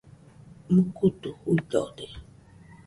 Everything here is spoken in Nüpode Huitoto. Mukutu juidode.